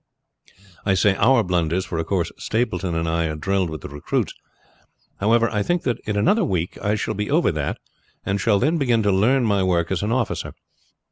"I say our blunders, for of course Stapleton and I are drilled with the recruits. However, I think that in another week I shall be over that, and shall then begin to learn my work as an officer.